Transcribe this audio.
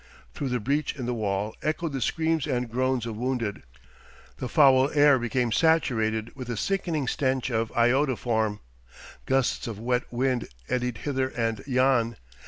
Through the breach in the wall echoed the screams and groans of wounded. The foul air became saturated with a sickening stench of iodoform. Gusts of wet wind eddied hither and yon.